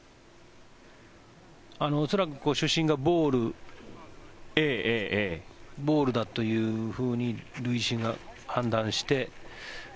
恐らく主審がボールだというふうに塁審が判断して。